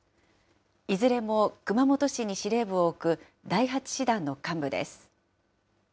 いずれも熊本市に司令部を置く第８師団の幹部です。